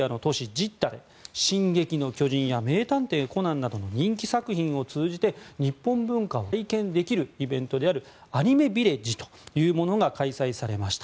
ジッダで「進撃の巨人」や「名探偵コナン」などの人気作品を通じて日本文化を体験できるイベントであるアニメビレッジというものが開催されました。